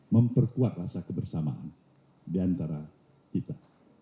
memperkuat rasa kebersamaan diantara kita